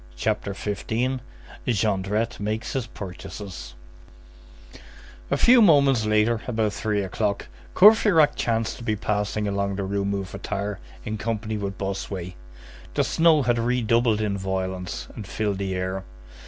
CHAPTER XV—JONDRETTE MAKES HIS PURCHASES A few moments later, about three o'clock, Courfeyrac chanced to be passing along the Rue Mouffetard in company with Bossuet. The snow had redoubled in violence, and filled the air.